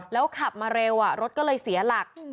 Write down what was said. แล้วขับมาเร็วรถก็เลยเสียหลัก